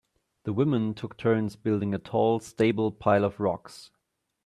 The women took turns building a tall stable pile of rocks.